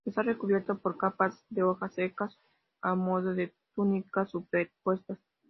Está recubierto por capas de hojas secas, a modo de túnicas superpuestas.